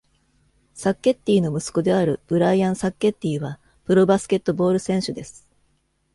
サッケッティの息子であるブライアン・サッケッティはプロバスケットボール選手です。